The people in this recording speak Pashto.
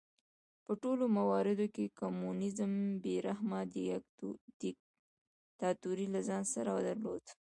په ټولو مواردو کې کمونېزم بې رحمه دیکتاتورۍ له ځان سره درلود.